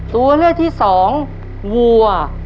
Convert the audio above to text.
ตัวเลือกที่สองวัว